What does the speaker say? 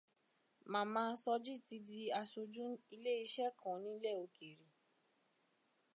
Màmá Sọjí ti di asojú ilé iṣẹ́ kan nílẹ̀ òkèrè.